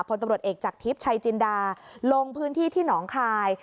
พลตำรวจเอกจากทิพย์ชัยจินดาลงพื้นที่ที่หนองคาย